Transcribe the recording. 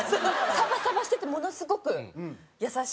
サバサバしててものすごく優しいママで。